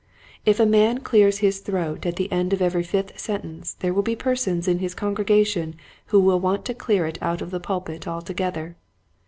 If a man clears his throat at the end of every fifth sentence there will be persons in his congregation who will want to clear it out of the pulpit altogether.